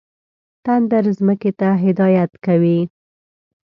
تندر ځمکې ته هدایت کوي.